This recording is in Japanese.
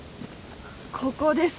ここです。